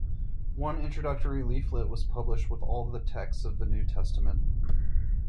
One introductory leaflet was published with all the texts of the New Testament.